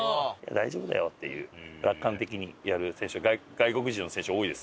大丈夫だよっていう楽観的にやる選手外国人の選手多いです。